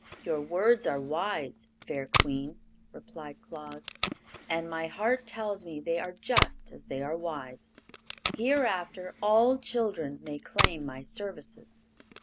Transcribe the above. "Your words are wise, fair Queen," replied Claus, "and my heart tells me they are as just as they are wise. Hereafter all children may claim my services."